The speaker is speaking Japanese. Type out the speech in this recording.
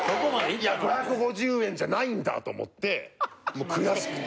いや５５０円じゃないんだと思って悔しくて。